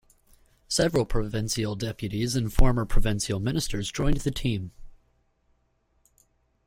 Several provincial deputies and former provincial ministers joined the team.